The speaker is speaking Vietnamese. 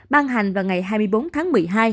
ban hành vào ngày hai mươi bốn tháng một mươi hai